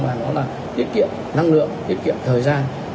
mà nó là tiết kiệm năng lượng tiết kiệm thời gian